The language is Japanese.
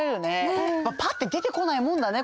パッて出てこないもんだね